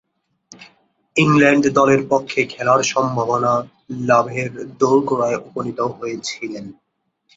England দলের পক্ষে খেলার সম্মাননা লাভের দোরগোড়ায় উপনীত হয়েছিলেন।